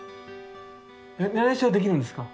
やり直しはできるんですか？